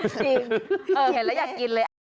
จริงเห็นแล้วอยากกินเลย